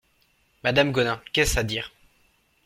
Madame Gaudin Qu'est-ce à dire ?